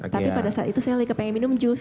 tapi pada saat itu saya lagi kepengen minum jus